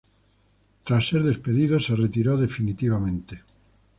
Tras ser despedido, se retiró definitivamente.